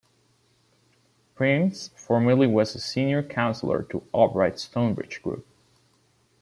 Prince formerly was a Senior Counselor to Albright Stonebridge Group.